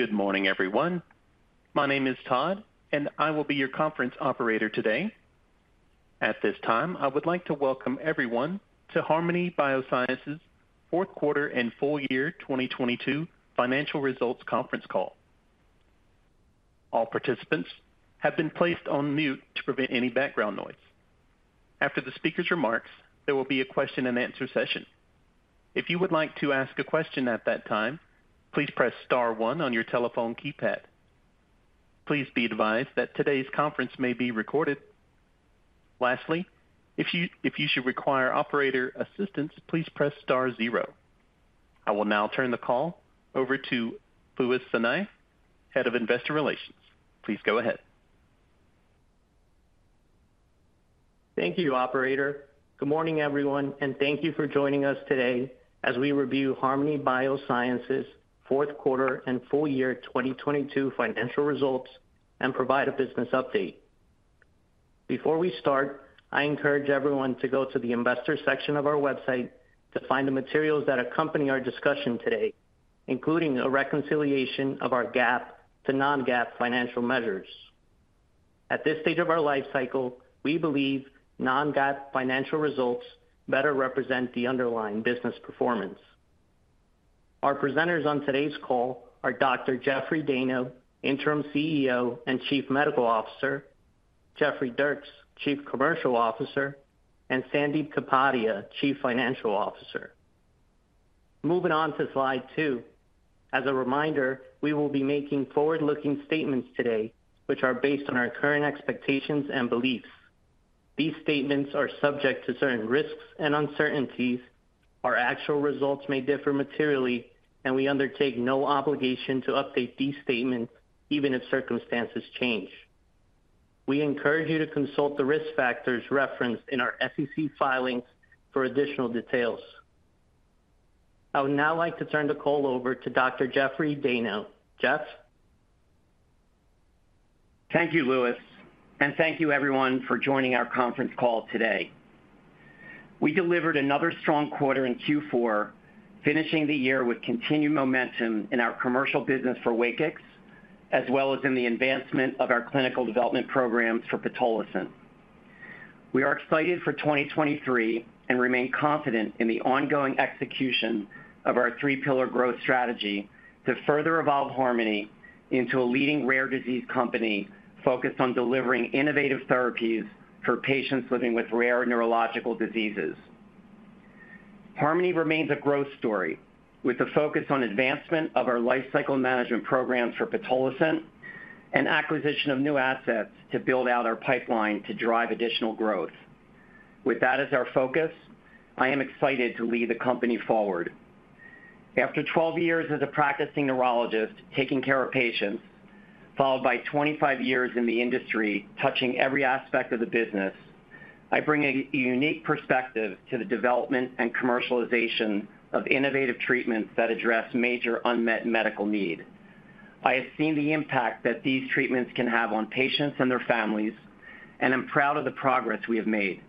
Good morning, everyone. My name is Todd, and I will be your conference operator today. At this time, I would like to welcome everyone to Harmony Biosciences fourth quarter and full year 2022 financial results conference call. All participants have been placed on mute to prevent any background noise. After the speaker's remarks, there will be a question-and-answer session. If you would like to ask a question at that time, please press star one on your telephone keypad. Please be advised that today's conference may be recorded. Lastly, if you should require operator assistance, please press star zero. I will now turn the call over to Luis Sanay, Head of Investor Relations. Please go ahead. Thank you, operator. Good morning, everyone, and thank you for joining us today as we review Harmony Biosciences fourth quarter and full year 2022 financial results and provide a business update. Before we start, I encourage everyone to go to the investor section of our website to find the materials that accompany our discussion today, including a reconciliation of our GAAP to non-GAAP financial measures. At this stage of our life cycle, we believe non-GAAP financial results better represent the underlying business performance. Our presenters on today's call are Dr. Jeffrey Dayno, Interim CEO and Chief Medical Officer, Jeffrey Dierks, Chief Commercial Officer, and Sandip Kapadia, Chief Financial Officer. Moving on to slide two. As a reminder, we will be making forward-looking statements today, which are based on our current expectations and beliefs. These statements are subject to certain risks and uncertainties. Our actual results may differ materially, and we undertake no obligation to update these statements even if circumstances change. We encourage you to consult the risk factors referenced in our SEC filings for additional details. I would now like to turn the call over to Dr. Jeffrey Dayno. Jeff? Thank you, Luis, and thank you everyone for joining our conference call today. We delivered another strong quarter in Q4, finishing the year with continued momentum in our commercial business for WAKIX, as well as in the advancement of our clinical development programs for pitolisant. We are excited for 2023 and remain confident in the ongoing execution of our three-pillar growth strategy to further evolve Harmony into a leading rare disease company focused on delivering innovative therapies for patients living with rare neurological diseases. Harmony remains a growth story with a focus on advancement of our lifecycle management programs for pitolisant and acquisition of new assets to build out our pipeline to drive additional growth. With that as our focus, I am excited to lead the company forward. After 12 years as a practicing neurologist taking care of patients, followed by 25 years in the industry touching every aspect of the business, I bring a unique perspective to the development and commercialization of innovative treatments that address major unmet medical need. I have seen the impact that these treatments can have on patients and their families, and I'm proud of the progress we have made.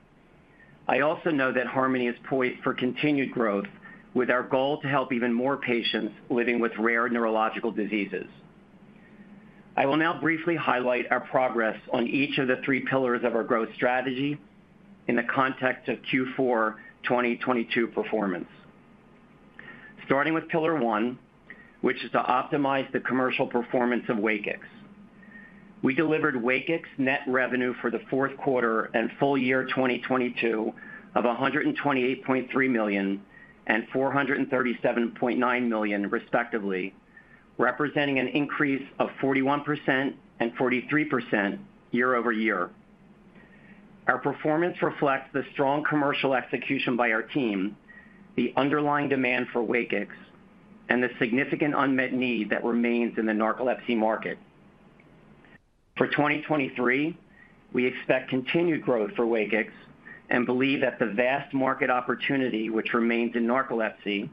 I also know that Harmony is poised for continued growth with our goal to help even more patients living with rare neurological diseases. I will now briefly highlight our progress on each of the three pillars of our growth strategy in the context of Q4 2022 performance. Starting with pillar one, which is to optimize the commercial performance of WAKIX. We delivered WAKIX net revenue for the fourth quarter and full year 2022 of $128.3 million and $437.9 million respectively, representing an increase of 41% and 43% year-over-year. Our performance reflects the strong commercial execution by our team, the underlying demand for WAKIX, and the significant unmet need that remains in the narcolepsy market. For 2023, we expect continued growth for WAKIX and believe that the vast market opportunity which remains in narcolepsy,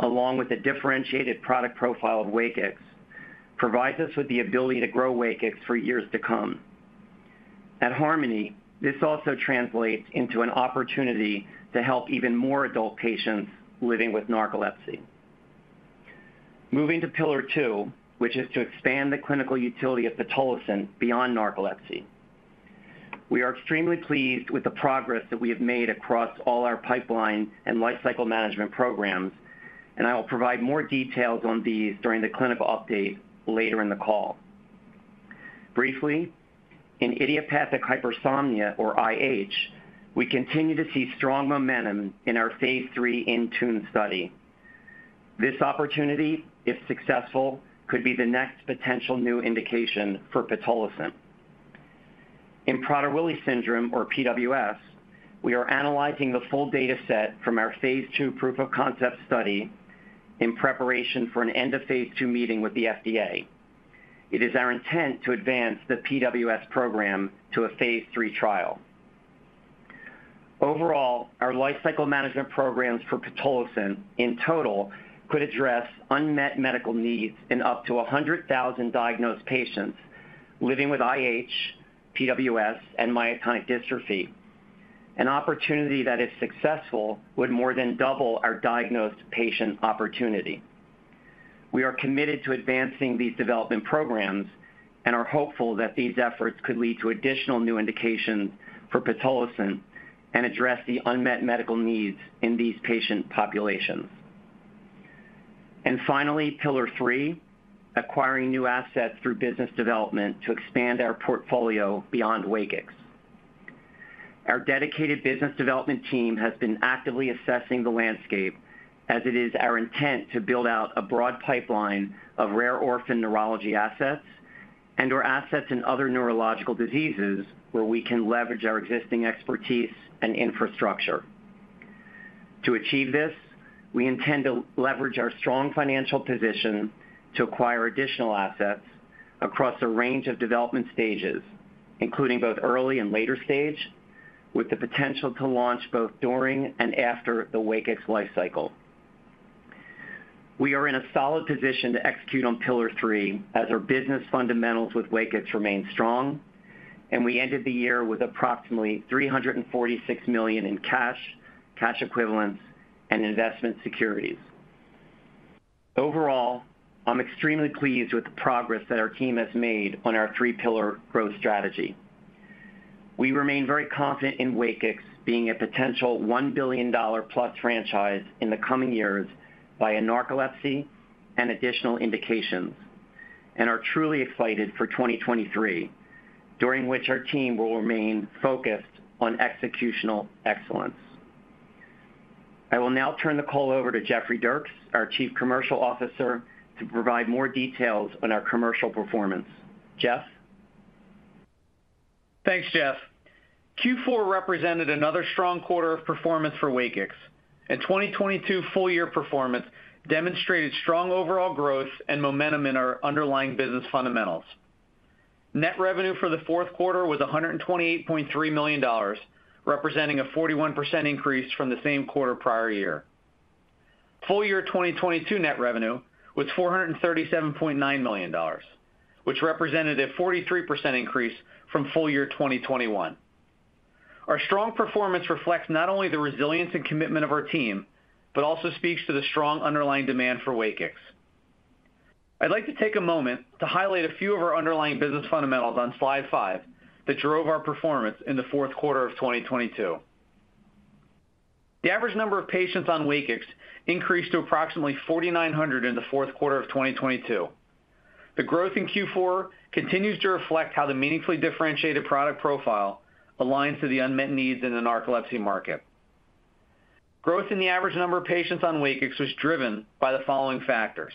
along with the differentiated product profile of WAKIX, provides us with the ability to grow WAKIX for years to come. At Harmony, this also translates into an opportunity to help even more adult patients living with narcolepsy. Moving to pillar two, which is to expand the clinical utility of pitolisant beyond narcolepsy. We are extremely pleased with the progress that we have made across all our pipeline and lifecycle management programs. I will provide more details on these during the clinical update later in the call. Briefly, in idiopathic hypersomnia or IH, we continue to see strong momentum in our phase III INTUNE study. This opportunity, if successful, could be the next potential new indication for pitolisant. In Prader-Willi syndrome or PWS, we are analyzing the full data set from our phase II proof of concept study in preparation for an end of phase II meeting with the FDA. It is our intent to advance the PWS program to a phase III trial. Overall, our lifecycle management programs for pitolisant in total could address unmet medical needs in up to 100,000 diagnosed patients living with IH, PWS, and myotonic dystrophy. An opportunity that is successful would more than double our diagnosed patient opportunity. We are committed to advancing these development programs and are hopeful that these efforts could lead to additional new indications for pitolisant and address the unmet medical needs in these patient populations. Pillar three, acquiring new assets through business development to expand our portfolio beyond WAKIX. Our dedicated business development team has been actively assessing the landscape as it is our intent to build out a broad pipeline of rare orphan neurology assets and, or assets in other neurological diseases where we can leverage our existing expertise and infrastructure. To achieve this, we intend to leverage our strong financial position to acquire additional assets across a range of development stages, including both early and later stage, with the potential to launch both during and after the WAKIX life cycle. We are in a solid position to execute on pillar three as our business fundamentals with WAKIX remain strong, and we ended the year with approximately $346 million in cash equivalents, and investment securities. Overall, I'm extremely pleased with the progress that our team has made on our three-pillar growth strategy. We remain very confident in WAKIX being a potential $1 billion+ franchise in the coming years by narcolepsy and additional indications, and are truly excited for 2023, during which our team will remain focused on executional excellence. I will now turn the call over to Jeffrey Dierks, our Chief Commercial Officer, to provide more details on our commercial performance. Jeff? Thanks, Jeff. Q4 represented another strong quarter of performance for WAKIX, and 2022 full year performance demonstrated strong overall growth and momentum in our underlying business fundamentals. Net revenue for the fourth quarter was $128.3 million, representing a 41% increase from the same quarter prior year. Full year 2022 net revenue was $437.9 million, which represented a 43% increase from full year 2021. Our strong performance reflects not only the resilience and commitment of our team, but also speaks to the strong underlying demand for WAKIX. I'd like to take a moment to highlight a few of our underlying business fundamentals on slide 5 that drove our performance in the fourth quarter of 2022. The average number of patients on WAKIX increased to approximately 4,900 in the fourth quarter of 2022. The growth in Q4 continues to reflect how the meaningfully differentiated product profile aligns to the unmet needs in the narcolepsy market. Growth in the average number of patients on WAKIX was driven by the following factors.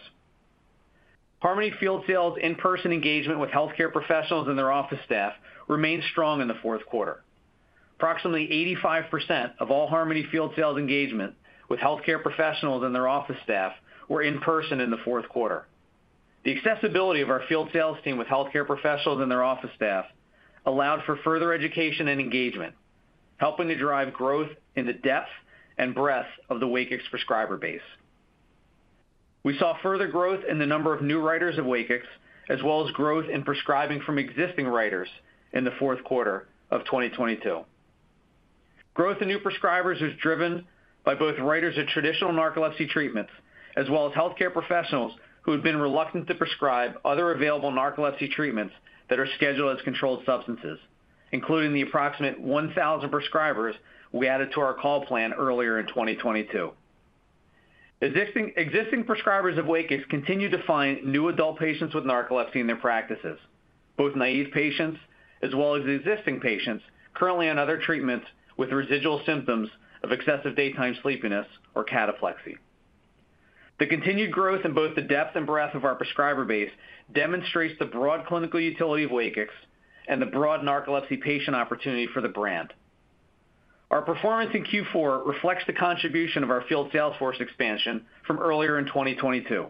Harmony Field Sales in-person engagement with healthcare professionals and their office staff remained strong in the fourth quarter. Approximately 85% of all Harmony Field Sales engagement with healthcare professionals and their office staff were in person in the fourth quarter. The accessibility of our field sales team with healthcare professionals and their office staff allowed for further education and engagement, helping to drive growth in the depth and breadth of the WAKIX prescriber base. We saw further growth in the number of new writers of WAKIX, as well as growth in prescribing from existing writers in the fourth quarter of 2022. Growth in new prescribers was driven by both writers of traditional narcolepsy treatments, as well as healthcare professionals who had been reluctant to prescribe other available narcolepsy treatments that are scheduled as controlled substances, including the approximate 1,000 prescribers we added to our call plan earlier in 2022. Existing prescribers of WAKIX continue to find new adult patients with narcolepsy in their practices, both naive patients as well as existing patients currently on other treatments with residual symptoms of excessive daytime sleepiness or cataplexy. The continued growth in both the depth and breadth of our prescriber base demonstrates the broad clinical utility of WAKIX and the broad narcolepsy patient opportunity for the brand. Our performance in Q4 reflects the contribution of our field sales force expansion from earlier in 2022.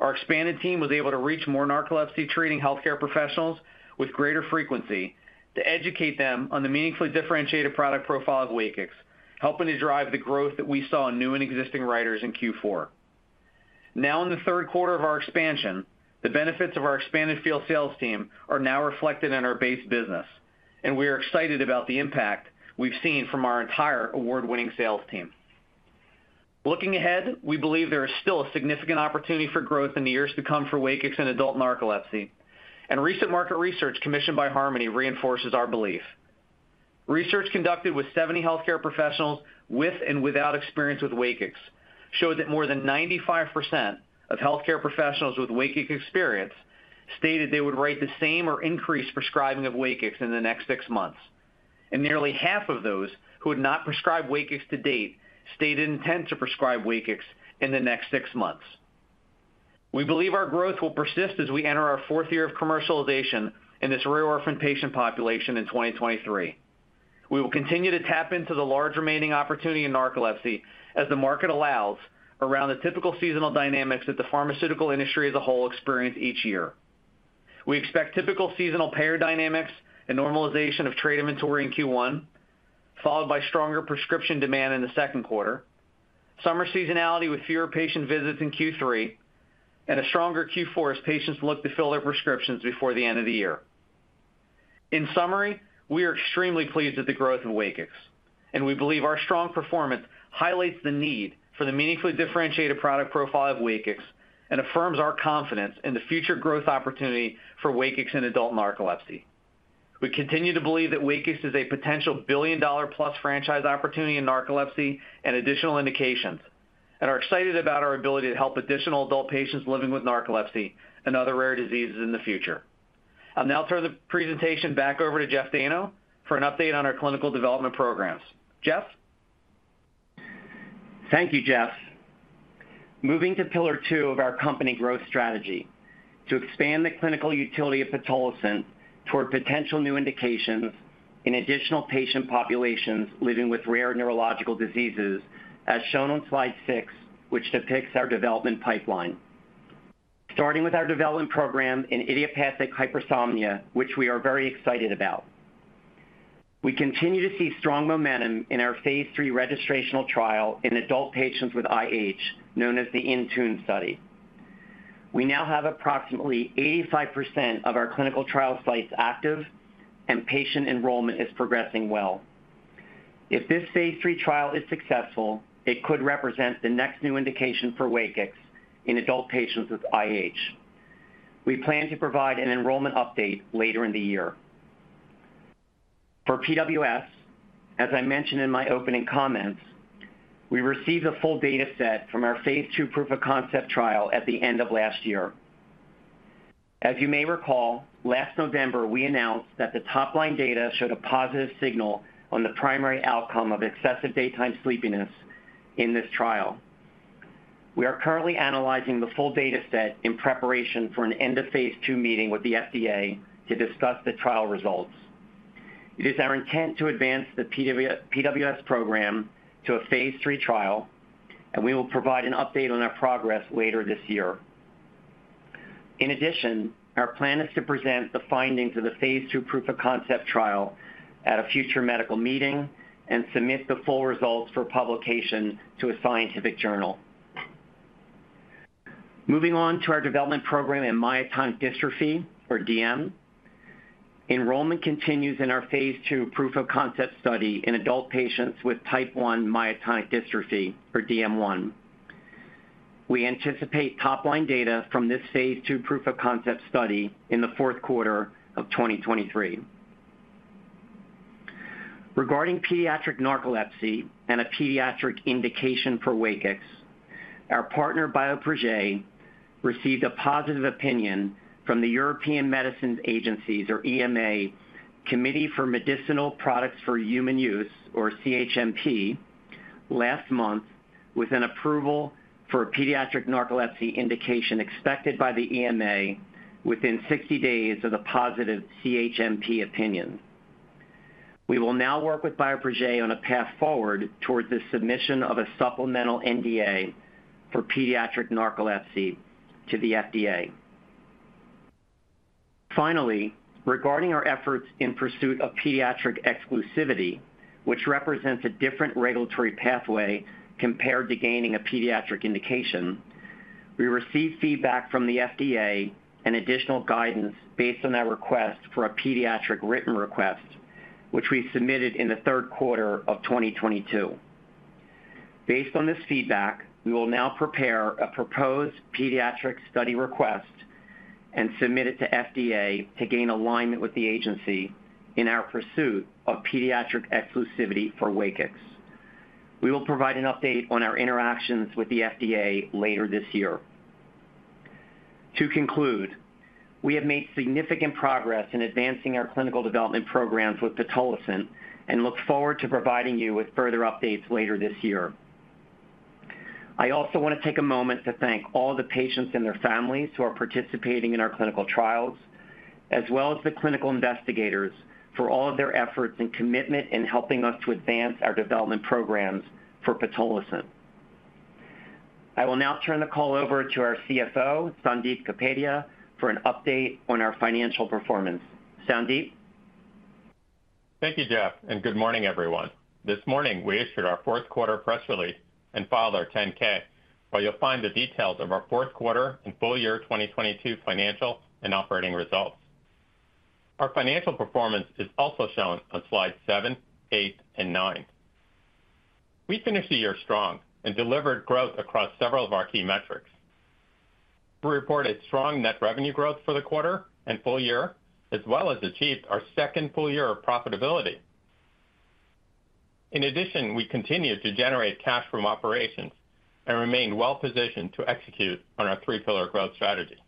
Our expanded team was able to reach more narcolepsy treating healthcare professionals with greater frequency to educate them on the meaningfully differentiated product profile of WAKIX, helping to drive the growth that we saw in new and existing writers in Q4. In the third quarter of our expansion, the benefits of our expanded field sales team are now reflected in our base business, we are excited about the impact we've seen from our entire award-winning sales team. Looking ahead, we believe there is still a significant opportunity for growth in the years to come for WAKIX and adult narcolepsy. Recent market research commissioned by Harmony Biosciences reinforces our belief. Research conducted with 70 healthcare professionals with and without experience with WAKIX showed that more than 95% of healthcare professionals with WAKIX experience stated they would rate the same or increased prescribing of WAKIX in the next six months. Nearly half of those who had not prescribed WAKIX to date, stated intent to prescribe WAKIX in the next six months. We believe our growth will persist as we enter our fourth year of commercialization in this rare orphan patient population in 2023. We will continue to tap into the large remaining opportunity in narcolepsy as the market allows around the typical seasonal dynamics that the pharmaceutical industry as a whole experience each year. We expect typical seasonal payer dynamics and normalization of trade inventory in Q1, followed by stronger prescription demand in the second quarter. Summer seasonality with fewer patient visits in Q3 and a stronger Q4 as patients look to fill their prescriptions before the end of the year. In summary, we are extremely pleased with the growth in WAKIX, and we believe our strong performance highlights the need for the meaningfully differentiated product profile of WAKIX and affirms our confidence in the future growth opportunity for WAKIX in adult narcolepsy. We continue to believe that WAKIX is a potential billion-dollar-plus franchise opportunity in narcolepsy and additional indications, and are excited about our ability to help additional adult patients living with narcolepsy and other rare diseases in the future. I'll now turn the presentation back over to Jeffrey Dayno for an update on our clinical development programs. Jeff? Thank you, Jeff. Moving to pillar two of our company growth strategy to expand the clinical utility of pitolisant toward potential new indications in additional patient populations living with rare neurological diseases, as shown on slide six, which depicts our development pipeline. Starting with our development program in idiopathic hypersomnia, which we are very excited about. We continue to see strong momentum in our phase III registrational trial in adult patients with IH, known as the INTUNE Study. We now have approximately 85% of our clinical trial sites active and patient enrollment is progressing well. If this phase III trial is successful, it could represent the next new indication for WAKIX in adult patients with IH. We plan to provide an enrollment update later in the year. For PWS, as I mentioned in my opening comments, we received a full data set from our phase II proof-of-concept trial at the end of last year. As you may recall, last November, we announced that the top-line data showed a positive signal on the primary outcome of excessive daytime sleepiness in this trial. We are currently analyzing the full data set in preparation for an end-of-phase II meeting with the FDA to discuss the trial results. It is our intent to advance the PWS program to a phase III trial. We will provide an update on our progress later this year. In addition, our plan is to present the findings of the phase II proof-of-concept trial at a future medical meeting and submit the full results for publication to a scientific journal. Moving on to our development program in myotonic dystrophy, or DM. Enrollment continues in our phase II proof-of-concept study in adult patients with type one myotonic dystrophy, or DM1. We anticipate top-line data from this phase II proof-of-concept study in the fourth quarter of 2023. Regarding pediatric narcolepsy and a pediatric indication for WAKIX, our partner, Bioprojet, received a positive opinion from the European Medicines Agency, or EMA, Committee for Medicinal Products for Human Use, or CHMP, last month with an approval for pediatric narcolepsy indication expected by the EMA within 60 days of the positive CHMP opinion. We will now work with Bioprojet on a path forward towards the submission of a supplemental NDA for pediatric narcolepsy to the FDA. Finally, regarding our efforts in pursuit of pediatric exclusivity, which represents a different regulatory pathway compared to gaining a pediatric indication, we received feedback from the FDA and additional guidance based on that request for a pediatric written request, which we submitted in the third quarter of 2022. Based on this feedback, we will now prepare a Proposed Pediatric Study Request and submit it to FDA to gain alignment with the agency in our pursuit of pediatric exclusivity for WAKIX. We will provide an update on our interactions with the FDA later this year. To conclude, we have made significant progress in advancing our clinical development programs with pitolisant and look forward to providing you with further updates later this year. I also wanna take a moment to thank all the patients and their families who are participating in our clinical trials, as well as the clinical investigators for all of their efforts and commitment in helping us to advance our development programs for pitolisant. I will now turn the call over to our CFO, Sandip Kapadia, for an update on our financial performance. Sandip? Thank you, Jeff, and good morning, everyone. This morning, we issued our fourth quarter press release and filed our 10-K, where you'll find the details of our fourth quarter and full year 2022 financial and operating results. Our financial performance is also shown on slides seven, eight, and nine. We finished the year strong and delivered growth across several of our key metrics. We reported strong net revenue growth for the quarter and full year, as well as achieved our second full year of profitability. In addition, we continued to generate cash from operations and remain well-positioned to execute on our three-pillar growth strategy.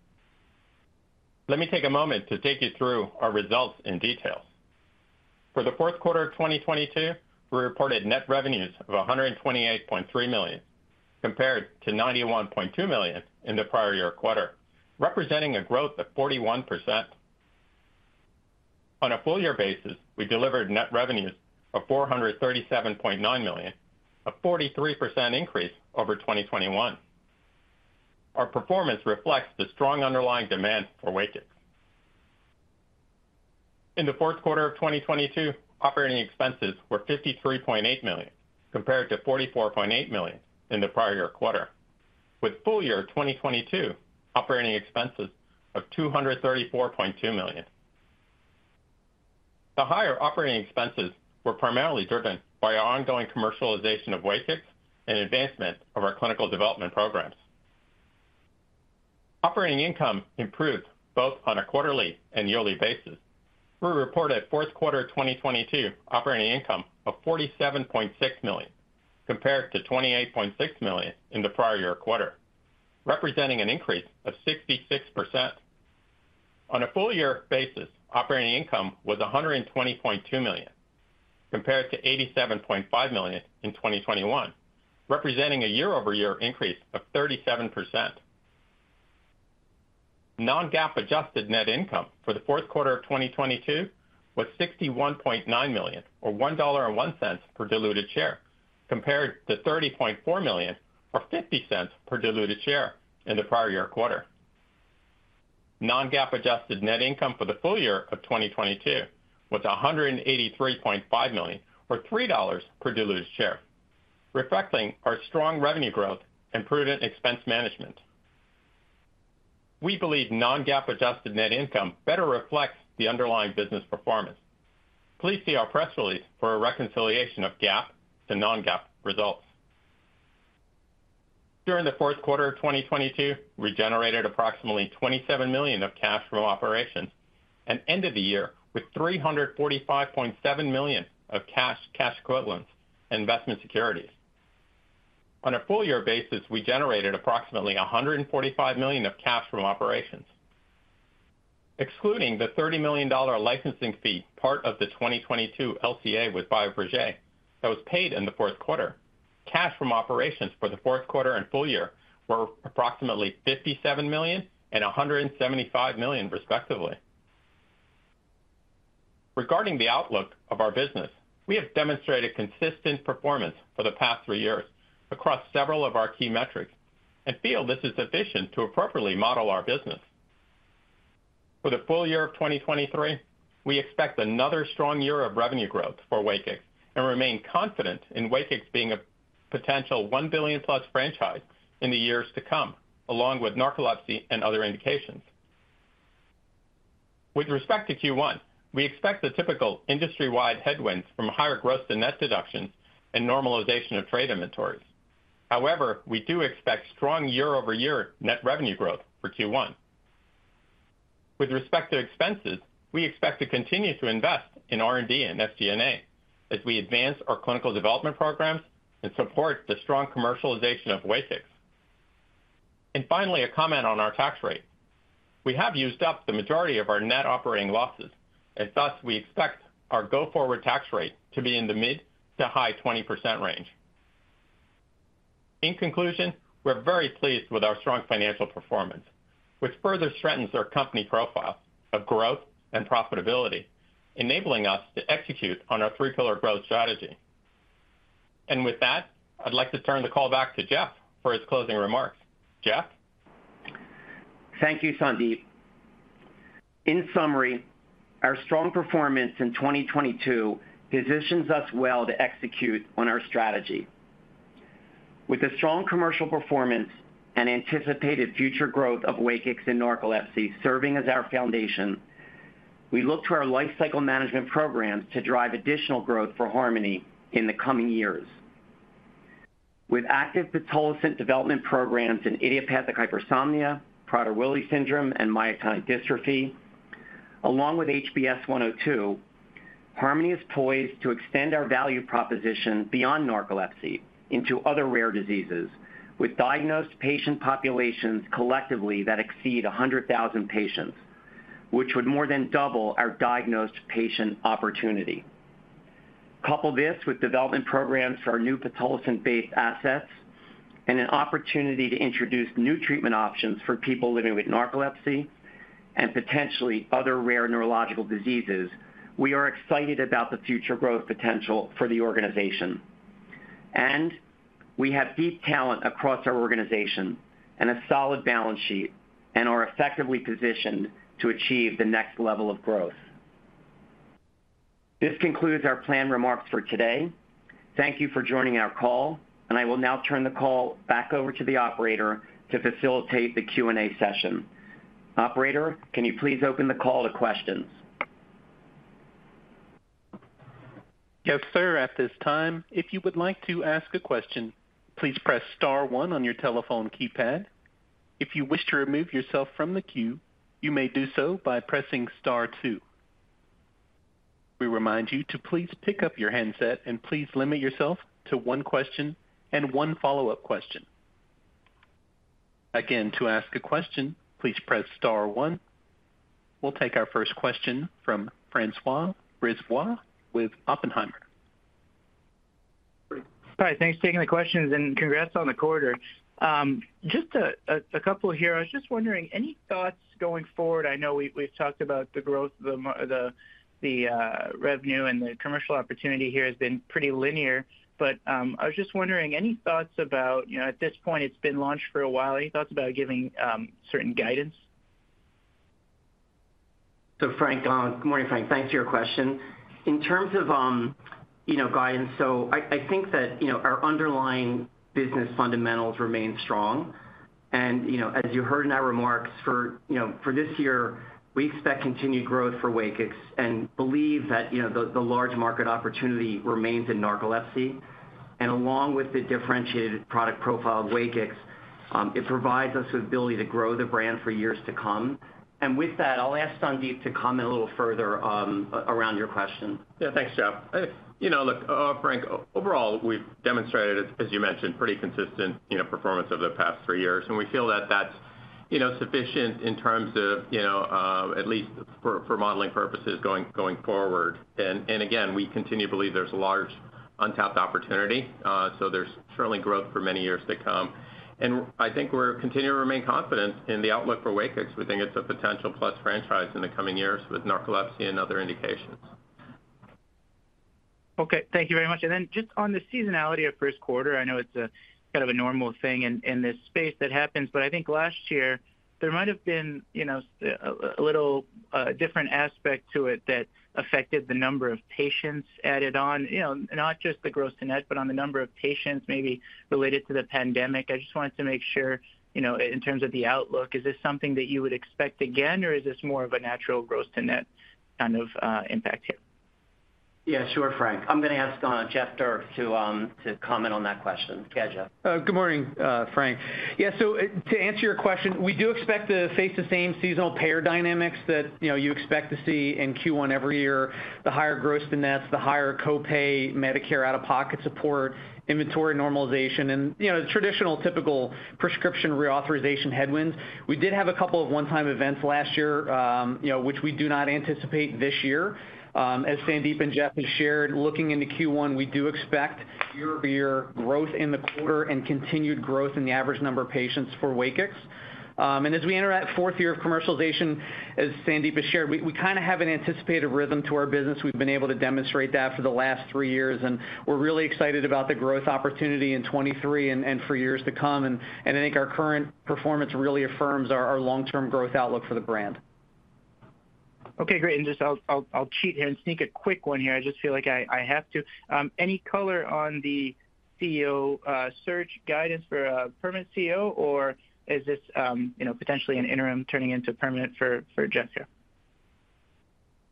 Let me take a moment to take you through our results in detail. For the fourth quarter of 2022, we reported net revenues of $128.3 million, compared to $91.2 million in the prior year quarter, representing a growth of 41%. On a full year basis, we delivered net revenues of $437.9 million, a 43% increase over 2021. Our performance reflects the strong underlying demand for WAKIX. In the fourth quarter of 2022, operating expenses were $53.8 million compared to $44.8 million in the prior year quarter, with full year 2022 operating expenses of $234.2 million. The higher operating expenses were primarily driven by our ongoing commercialization of WAKIX and advancement of our clinical development programs. Operating income improved both on a quarterly and yearly basis. We reported fourth quarter 2022 operating income of $47.6 million compared to $28.6 million in the prior year quarter, representing an increase of 66%. On a full year basis, operating income was $120.2 million compared to $87.5 million in 2021, representing a year-over-year increase of 37%. Non-GAAP adjusted net income for the fourth quarter of 2022 was $61.9 million or $1.01 per diluted share, compared to $30.4 million or $0.50 per diluted share in the prior year quarter. Non-GAAP adjusted net income for the full year of 2022 was $183.5 million or $3.00 per diluted share, reflecting our strong revenue growth and prudent expense management. We believe non-GAAP adjusted net income better reflects the underlying business performance. Please see our press release for a reconciliation of GAAP to non-GAAP results. During the fourth quarter of 2022, we generated approximately $27 million of cash from operations and end of the year with $345.7 million of cash equivalents, investment securities. On a full year basis, we generated approximately $145 million of cash from operations. Excluding the $30 million licensing fee, part of the 2022 LCA with Bioprojet that was paid in the fourth quarter, cash from operations for the fourth quarter and full year were approximately $57 million and $175 million, respectively. Regarding the outlook of our business, we have demonstrated consistent performance for the past three years across several of our key metrics and feel this is sufficient to appropriately model our business. For the full year of 2023, we expect another strong year of revenue growth for WAKIX and remain confident in WAKIX being a potential $1 billion+ franchise in the years to come, along with narcolepsy and other indications. With respect to Q1, we expect the typical industry-wide headwinds from higher gross to net deductions and normalization of trade inventories. However, we do expect strong year-over-year net revenue growth for Q1. With respect to expenses, we expect to continue to invest in R&D and SG&A as we advance our clinical development programs and support the strong commercialization of WAKIX. Finally, a comment on our tax rate. We have used up the majority of our Net Operating Losses, and thus we expect our go-forward tax rate to be in the mid to high 20% range. In conclusion, we're very pleased with our strong financial performance, which further strengthens our company profile of growth and profitability, enabling us to execute on our three-pillar growth strategy. With that, I'd like to turn the call back to Jeff for his closing remarks. Jeff? Thank you, Sandip. In summary, our strong performance in 2022 positions us well to execute on our strategy. With a strong commercial performance and anticipated future growth of WAKIX and narcolepsy serving as our foundation, we look to our lifecycle management programs to drive additional growth for Harmony in the coming years. With active pitolisant development programs in idiopathic hypersomnia, Prader-Willi syndrome, and myotonic dystrophy, along with HBS-102, Harmony is poised to extend our value proposition beyond narcolepsy into other rare diseases with diagnosed patient populations collectively that exceed 100,000 patients, which would more than double our diagnosed patient opportunity. Couple this with development programs for our new pitolisant-based assets and an opportunity to introduce new treatment options for people living with narcolepsy and potentially other rare neurological diseases, we are excited about the future growth potential for the organization. We have deep talent across our organization and a solid balance sheet and are effectively positioned to achieve the next level of growth. This concludes our planned remarks for today. Thank you for joining our call. I will now turn the call back over to the operator to facilitate the Q&A session. Operator, can you please open the call to questions? Yes, sir. At this time, if you would like to ask a question, please press star one on your telephone keypad. If you wish to remove yourself from the queue, you may do so by pressing star two. We remind you to please pick up your handset and please limit yourself to one question and one follow-up question. Again, to ask a question, please press star one. We'll take our first question from François Brisebois with Oppenheimer. All right. Thanks for taking the questions, congrats on the quarter. Just a couple here. I was just wondering, any thoughts going forward? I know we've talked about the growth, the revenue and the commercial opportunity here has been pretty linear. I was just wondering, any thoughts about, you know, at this point it's been launched for a while. Any thoughts about giving certain guidance? Franc, good morning, Franc, thanks for your question. In terms of, you know, guidance, I think that, you know, our underlying business fundamentals remain strong and, you know, as you heard in our remarks for, you know, for this year, we expect continued growth for WAKIX and believe that, you know, the large market opportunity remains in narcolepsy. Along with the differentiated product profile of WAKIX, it provides us the ability to grow the brand for years to come. With that, I'll ask Sandip to comment a little further around your question. Yeah, thanks, Jeff. I, you know, look, Franc, overall, we've demonstrated, as you mentioned, pretty consistent, you know, performance over the past three years, and we feel that that's, you know, sufficient in terms of, you know, at least for modeling purposes going forward. Again, we continue to believe there's a large untapped opportunity. There's certainly growth for many years to come. I think we're continuing to remain confident in the outlook for WAKIX. We think it's a potential plus franchise in the coming years with narcolepsy and other indications. Okay. Thank you very much. Then just on the seasonality of first quarter, I know it's a kind of a normal thing in this space that happens, but I think last year there might have been, you know, a little different aspect to it that affected the number of patients added on, you know, not just the gross to net, but on the number of patients maybe related to the pandemic. I just wanted to make sure, you know, in terms of the outlook, is this something that you would expect again, or is this more of a natural gross to net kind of impact here? Yeah, sure, Franc. I'm gonna ask Jeff Dierks to comment on that question. Go ahead, Jeff. Good morning, Franc. Yeah, to answer your question, we do expect to face the same seasonal payer dynamics that, you know, you expect to see in Q1 every year. The higher gross to nets, the higher co-pay, Medicare out-of-pocket support, inventory normalization, and, you know, the traditional typical prescription reauthorization headwinds. We did have a couple of one-time events last year, which we do not anticipate this year. As Sandip and Jeff have shared, looking into Q1, we do expect year-over-year growth in the quarter and continued growth in the average number of patients for WAKIX. As we enter that fourth year of commercialization, as Sandip has shared, we kind of have an anticipated rhythm to our business. We've been able to demonstrate that for the last three years. We're really excited about the growth opportunity in 2023 and for years to come. I think our current performance really affirms our long-term growth outlook for the brand. Okay, great. Just I'll cheat here and sneak a quick one here. I just feel like I have to. Any color on the CEO search guidance for a permanent CEO or is this, you know, potentially an interim turning into permanent for Jeffrey?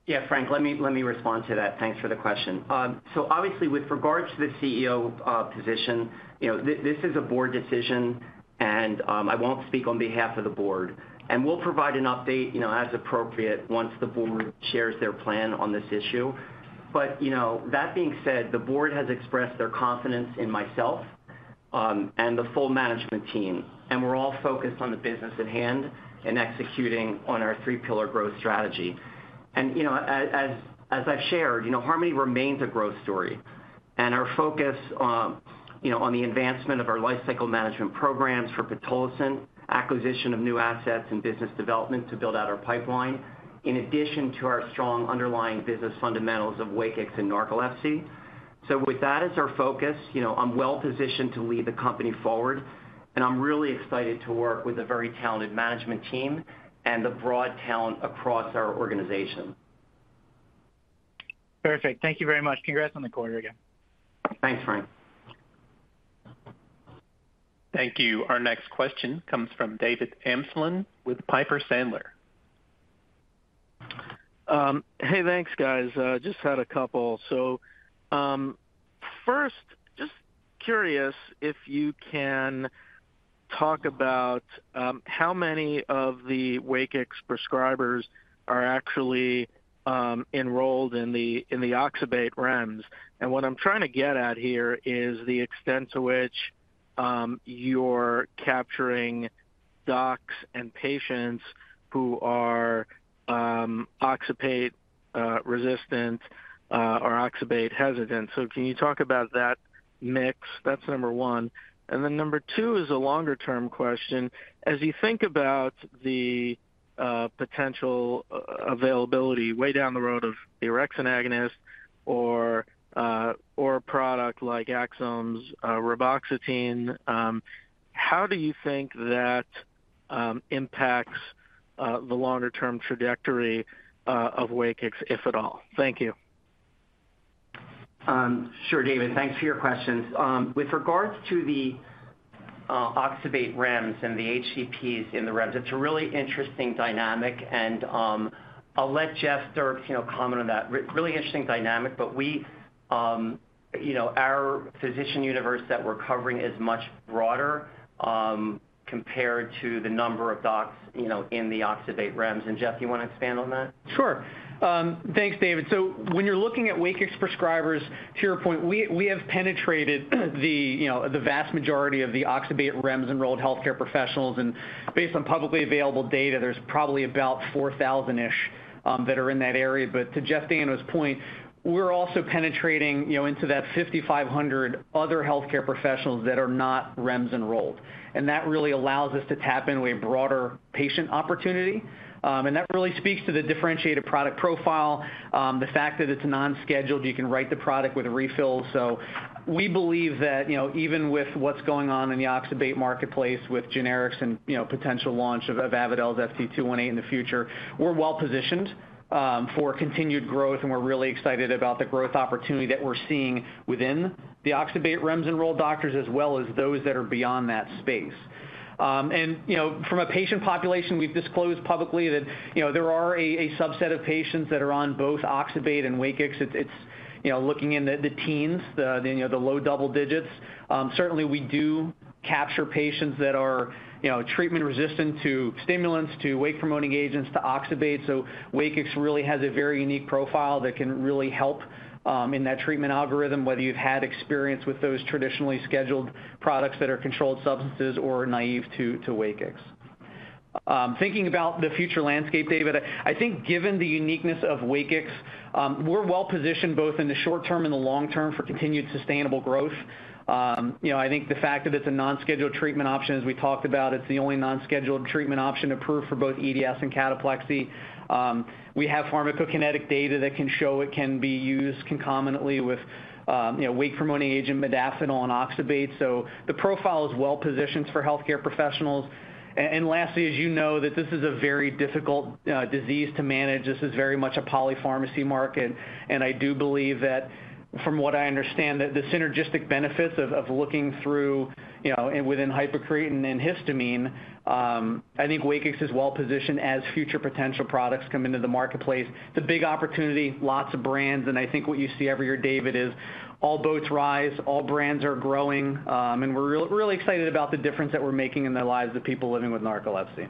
Yeah, Franc, let me respond to that. Thanks for the question. Obviously with regards to the CEO position, you know, this is a board decision and I won't speak on behalf of the board. We'll provide an update, you know, as appropriate once the board shares their plan on this issue. You know, that being said, the board has expressed their confidence in myself and the full management team, and we're all focused on the business at hand and executing on our three-pillar growth strategy. You know, as I've shared, you know, Harmony remains a growth story and our focus, you know, on the advancement of our lifecycle management programs for pitolisant, acquisition of new assets and business development to build out our pipeline, in addition to our strong underlying business fundamentals of WAKIX and narcolepsy. With that as our focus, you know, I'm well-positioned to lead the company forward and I'm really excited to work with a very talented management team and the broad talent across our organization. Perfect. Thank you very much. Congrats on the quarter again. Thanks, Franc. Thank you. Our next question comes from David Amsellem with Piper Sandler. Hey, thanks guys. Just had a couple. First, just curious if you can talk about how many of the WAKIX prescribers are actually enrolled in the oxybate REMS. What I'm trying to get at here is the extent to which you're capturing docs and patients who are oxybate resistant or oxybate hesitant. Can you talk about that mix? That's number one. Number two is a longer-term question. As you think about the potential availability way down the road of orexin agonist or a product like Axsome's reboxetine, how do you think that impacts the longer-term trajectory of WAKIX, if at all? Thank you. Sure, David, thanks for your questions. With regards to the oxybate REMS and the HCPs in the REMS, it's a really interesting dynamic and I'll let Jeff Dierks, you know, comment on that really interesting dynamic. We, you know, our physician universe that we're covering is much broader, compared to the number of docs, you know, in the oxybate REMS. Jeff, you wanna expand on that? Sure. Thanks, David. When you're looking at WAKIX prescribers, to your point, we have penetrated the, you know, the vast majority of the oxybate REMS-enrolled healthcare professionals. Based on publicly available data, there's probably about 4,000-ish that are in that area. To Jeff Dayno's point, we're also penetrating, you know, into that 5,500 other healthcare professionals that are not REMS enrolled. That really allows us to tap into a broader patient opportunity. That really speaks to the differentiated product profile. The fact that it's non-scheduled, you can write the product with a refill. We believe that, you know, even with what's going on in the oxybate marketplace with generics and, you know, potential launch of Avadel's FT218 in the future, we're well-positioned for continued growth and we're really excited about the growth opportunity that we're seeing. The oxybate REMs-enrolled doctors as well as those that are beyond that space. From a patient population, we've disclosed publicly that, you know, there are a subset of patients that are on both oxybate and WAKIX. It's, you know, looking in the teens, you know, the low double digits. Certainly we do capture patients that are, you know, treatment resistant to stimulants, to wake-promoting agents, to oxybate. WAKIX really has a very unique profile that can really help in that treatment algorithm, whether you've had experience with those traditionally scheduled products that are controlled substances or are naive to WAKIX. Thinking about the future landscape, David, I think given the uniqueness of WAKIX, we're well positioned both in the short term and the long term for continued sustainable growth. You know, I think the fact that it's a non-scheduled treatment option, as we talked about, it's the only non-scheduled treatment option approved for both EDS and cataplexy. We have pharmacokinetic data that can show it can be used concomitantly with, you know, wake promoting agent modafinil and oxybate. The profile is well positioned for healthcare professionals. And lastly, as you know, that this is a very difficult disease to manage. This is very much a polypharmacy market. I do believe that from what I understand, the synergistic benefits of looking through, you know, and within hypocretin and histamine, I think WAKIX is well positioned as future potential products come into the marketplace. The big opportunity, lots of brands. I think what you see every year, David, is all boats rise, all brands are growing. We're really excited about the difference that we're making in the lives of people living with narcolepsy.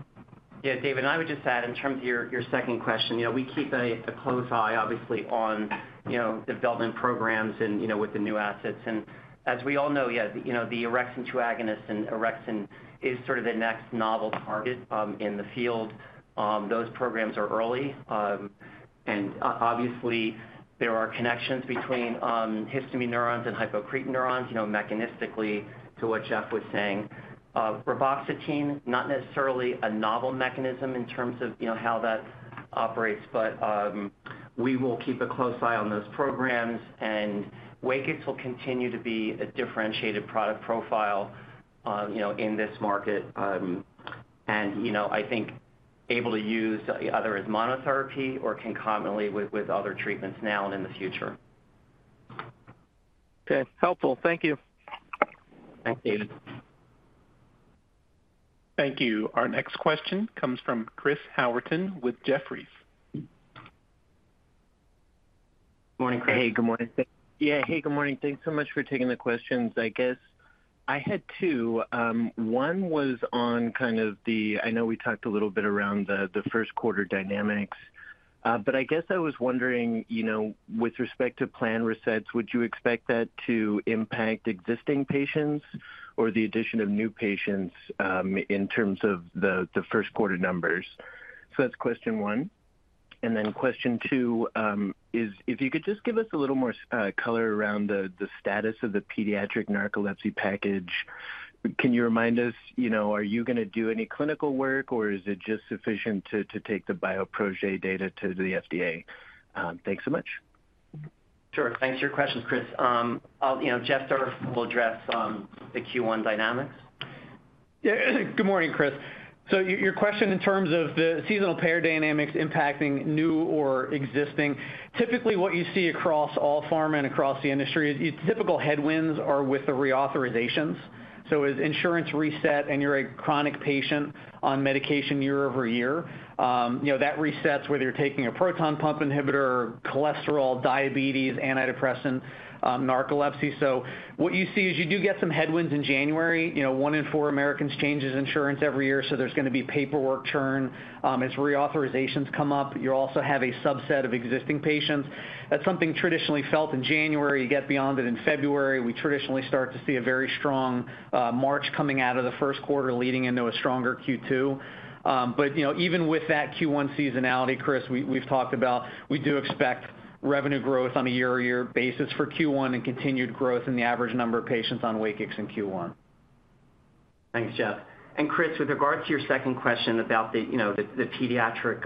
David, I would just add in terms of your second question, you know, we keep a close eye obviously on, you know, development programs and, you know, with the new assets. As we all know, you know, the Orexin 2 agonist and orexin is sort of the next novel target in the field. Those programs are early. Obviously there are connections between histamine neurons and hypocretin neurons, you know, mechanistically to what Jeff was saying. Reboxetine, not necessarily a novel mechanism in terms of, you know, how that operates, but we will keep a close eye on those programs and WAKIX will continue to be a differentiated product profile, you know, in this market. You know, I think able to use either as monotherapy or concomitantly with other treatments now and in the future. Okay. Helpful. Thank you. Thanks, David. Thank you. Our next question comes from Chris Howerton with Jefferies. Morning, Chris. Hey. Good morning. Yeah. Hey, good morning. Thanks so much for taking the questions. I guess I had two. One was on kind of the, I know we talked a little bit around the first quarter dynamics. I guess I was wondering, you know, with respect to plan resets, would you expect that to impact existing patients or the addition of new patients in terms of the first quarter numbers? That's question one. Question two is if you could just give us a little more color around the status of the pediatric narcolepsy package. Can you remind us, you know, are you gonna do any clinical work or is it just sufficient to take the Bioprojet data to the FDA? Thanks so much. Sure. Thanks for your questions, Chris. I'll, you know, Jeff will address the Q1 dynamics. Good morning, Chris. Your question in terms of the seasonal payer dynamics impacting new or existing, typically what you see across all pharma and across the industry is typical headwinds are with the reauthorizations. As insurance reset and you're a chronic patient on medication year over year, you know, that resets whether you're taking a proton pump inhibitor, cholesterol, diabetes, antidepressant, narcolepsy. What you see is you do get some headwinds in January. You know, one in four Americans changes insurance every year, so there's gonna be paperwork churn. As reauthorizations come up, you also have a subset of existing patients. That's something traditionally felt in January. You get beyond it in February. We traditionally start to see a very strong March coming out of the first quarter leading into a stronger Q2. you know, even with that Q1 seasonality, Chris, we've talked about, we do expect revenue growth on a year-over-year basis for Q1 and continued growth in the average number of patients on WAKIX in Q1. Thanks, Jeff. Chris, with regard to your second question about the, you know, the pediatric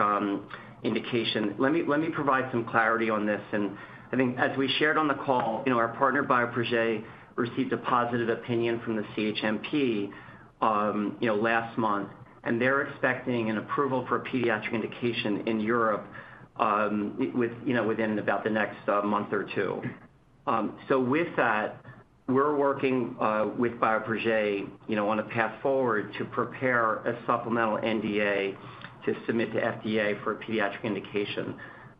indication, let me provide some clarity on this. I think as we shared on the call, you know, our partner, Bioprojet, received a positive opinion from the CHMP, you know, last month, and they're expecting an approval for pediatric indication in Europe, with, you know, within about the next month or two. With that, we're working with Bioprojet, you know, on a path forward to prepare a supplemental NDA to submit to FDA for a pediatric indication.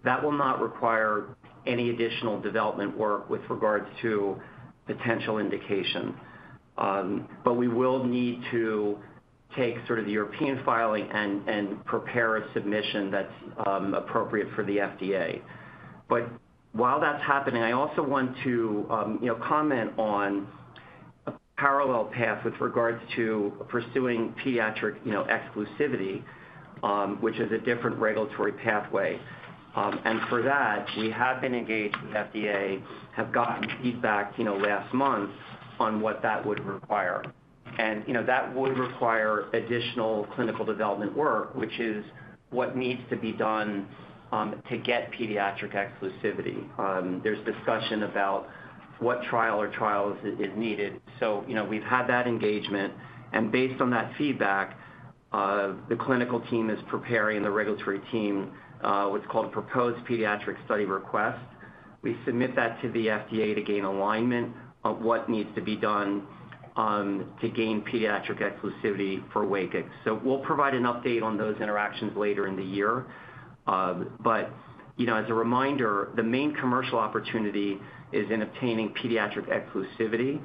That will not require any additional development work with regards to potential indication. We will need to take sort of the European filing and prepare a submission that's appropriate for the FDA. While that's happening, I also want to, you know, comment on a parallel path with regards to pursuing pediatric, you know, exclusivity, which is a different regulatory pathway. For that, we have been engaged with FDA, have gotten feedback, you know, last month on what that would require. That would require additional clinical development work, which is what needs to be done, to get pediatric exclusivity. There's discussion about what trial or trials is needed. You know, we've had that engagement, and based on that feedback, the clinical team is preparing the regulatory team, what's called Proposed Pediatric Study Request. We submit that to the FDA to gain alignment of what needs to be done, to gain pediatric exclusivity for WAKIX. We'll provide an update on those interactions later in the year. You know, as a reminder, the main commercial opportunity is in obtaining pediatric exclusivity,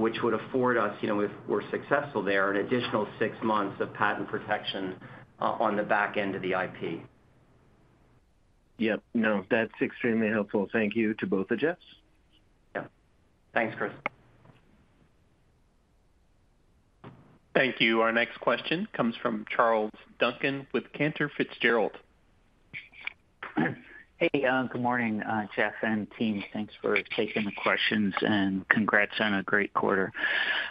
which would afford us, you know, if we're successful there, an additional six months of patent protection, on the back end of the IP. Yep. That's extremely helpful. Thank you to both the Jeffs. Yeah. Thanks, Chris. Thank you. Our next question comes from Charles Duncan with Cantor Fitzgerald. Hey, good morning, Jeff and team. Thanks for taking the questions and congrats on a great quarter.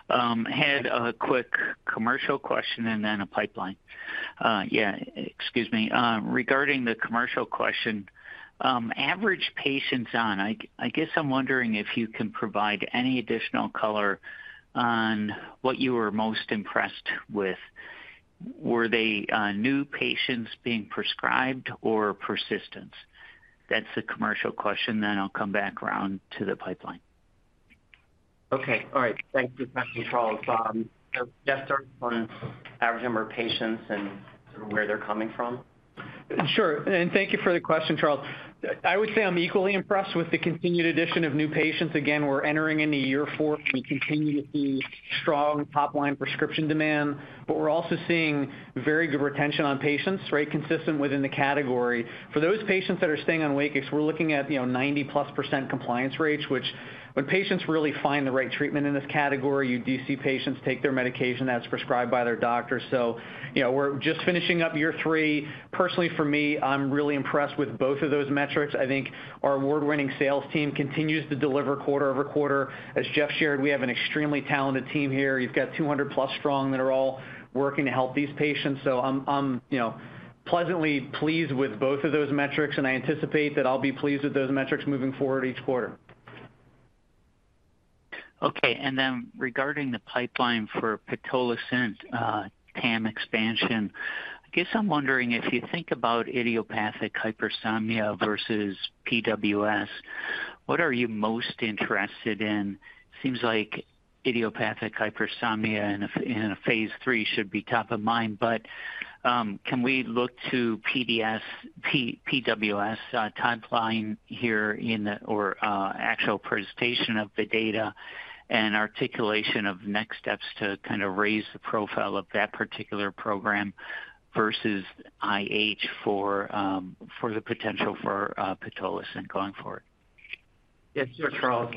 Had a quick commercial question and then a pipeline. Regarding the commercial question, average patients on, I guess I'm wondering if you can provide any additional color on what you were most impressed with. Were they new patients being prescribed or persistence? That's the commercial question, then I'll come back around to the pipeline. Okay. All right. Thanks for connecting, Charles. Jeff, start on average number of patients and sort of where they're coming from. Sure. Thank you for the question, Charles. I would say I'm equally impressed with the continued addition of new patients. Again, we're entering into year four. We continue to see strong top-line prescription demand, we're also seeing very good retention on patients, right? Consistent within the category. For those patients that are staying on WAKIX, we're looking at, you know, 90%+ compliance rates, which when patients really find the right treatment in this category, you do see patients take their medication as prescribed by their doctor. You know, we're just finishing up year three. Personally, for me, I'm really impressed with both of those metrics. I think our award-winning sales team continues to deliver quarter-over-quarter. As Jeff shared, we have an extremely talented team here. You've got 200+ strong that are all working to help these patients. I'm, you know, pleasantly pleased with both of those metrics, and I anticipate that I'll be pleased with those metrics moving forward each quarter. Okay. Then regarding the pipeline for pitolisant, TAM expansion, I guess I'm wondering if you think about idiopathic hypersomnia versus PWS, what are you most interested in? Seems like idiopathic hypersomnia in a, in a phase III should be top of mind. Can we look to PWS, timeline here in the or, actual presentation of the data and articulation of next steps to kind of raise the profile of that particular program versus IH for the potential for pitolisant going forward? Yes, sir, Charles.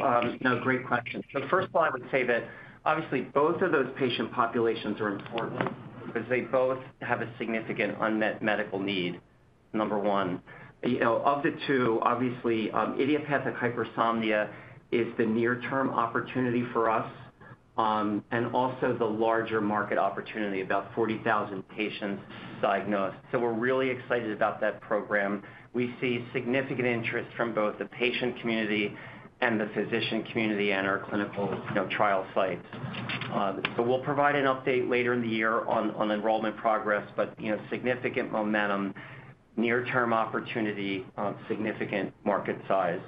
Great question. First of all, I would say that obviously both of those patient populations are important because they both have a significant unmet medical need, number one. You know, of the two, obviously, idiopathic hypersomnia is the near-term opportunity for us, and also the larger market opportunity, about 40,000 patients diagnosed. We're really excited about that program. We see significant interest from both the patient community and the physician community and our clinical, you know, trial sites. We'll provide an update later in the year on enrollment progress, but you know, significant momentum, near-term opportunity, significant market size.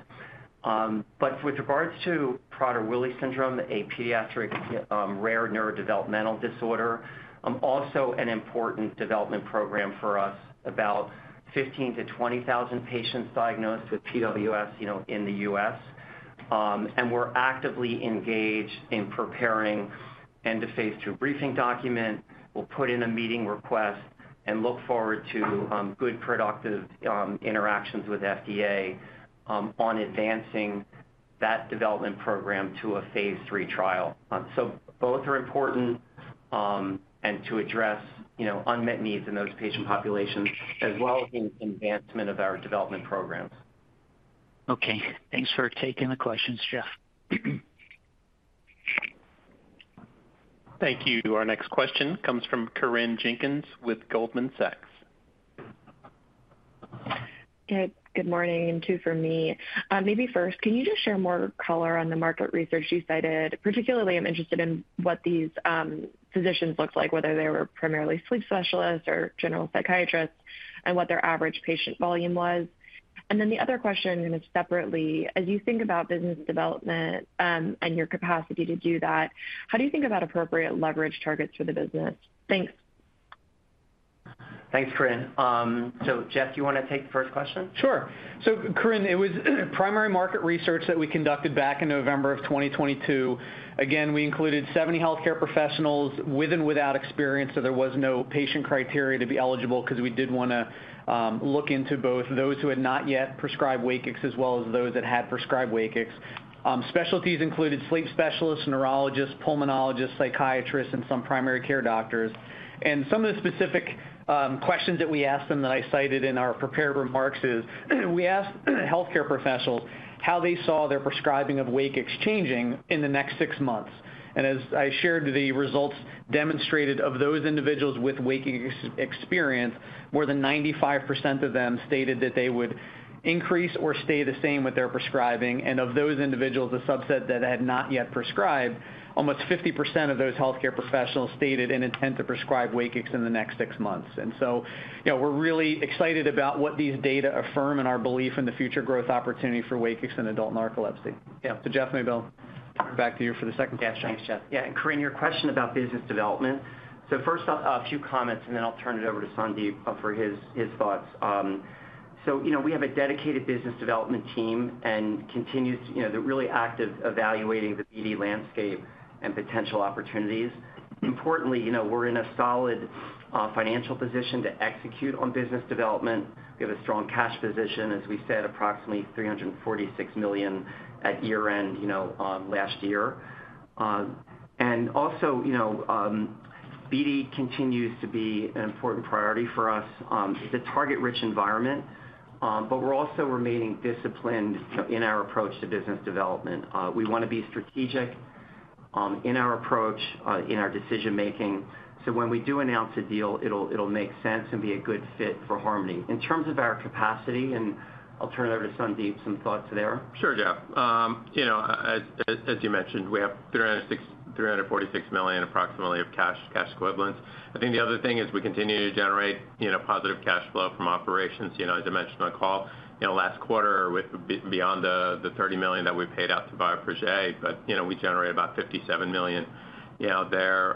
With regards to Prader-Willi syndrome, a pediatric, rare neurodevelopmental disorder, also an important development program for us, about 15,000-20,000 patients diagnosed with PWS, you know, in the U.S. We're actively engaged in preparing end of phase II briefing document. We'll put in a meeting request and look forward to good, productive interactions with FDA on advancing that development program to a phase III trial. Both are important and to address, you know, unmet needs in those patient populations as well as in advancement of our development programs. Okay. Thanks for taking the questions, Jeff. Thank you. Our next question comes from Corinne Jenkins with Goldman Sachs. Good morning, and two for me. Maybe first, can you just share more color on the market research you cited? Particularly, I'm interested in what these physicians look like, whether they were primarily sleep specialists or general psychiatrists, and what their average patient volume was. The other question is separately, as you think about business development, and your capacity to do that, how do you think about appropriate leverage targets for the business? Thanks. Thanks, Corinne. Jeff, you wanna take the first question? Sure. Corinne, it was primary market research that we conducted back in November of 2022. Again, we included 70 healthcare professionals with and without experience, so there was no patient criteria to be eligible because we did wanna look into both those who had not yet prescribed WAKIX, as well as those that had prescribed WAKIX. Specialties included sleep specialists, neurologists, pulmonologists, psychiatrists, and some primary care doctors. Some of the specific questions that we asked them that I cited in our prepared remarks is we asked healthcare professionals how they saw their prescribing of WAKIX changing in the next six months. As I shared, the results demonstrated of those individuals with WAKIX experience, more than 95% of them stated that they would increase or stay the same with their prescribing. Of those individuals, the subset that had not yet prescribed, almost 50% of those healthcare professionals stated an intent to prescribe WAKIX in the next six months. You know, we're really excited about what these data affirm and our belief in the future growth opportunity for WAKIX in adult narcolepsy. Yeah. Jeff, maybe Bill. Back to you for the second question. Yeah. Thanks, Jeff. Yeah, and Corinne, your question about business development. First off, a few comments, and then I'll turn it over to Sandip for his thoughts. You know, we have a dedicated business development team and continues, you know, they're really active evaluating the BD landscape and potential opportunities. Importantly, you know, we're in a solid financial position to execute on business development. We have a strong cash position, as we said, approximately $346 million at year-end, you know, last year. Also, you know, BD continues to be an important priority for us. It's a target-rich environment, but we're also remaining disciplined in our approach to business development. We wanna be strategic in our approach in our decision-making, so when we do announce a deal, it'll make sense and be a good fit for Harmony. In terms of our capacity, and I'll turn it over to Sandip, some thoughts there. Sure, Jeff. you know, as you mentioned, we have $346 million approximately of cash equivalents. I think the other thing is we continue to generate, you know, positive cash flow from operations, you know, as I mentioned on the call. You know, last quarter with beyond the $30 million that we paid out to Bioprojet, but, you know, we generated about $57 million, you know, there,